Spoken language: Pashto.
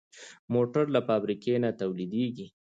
موټر له فابریکې نه تولیدېږي.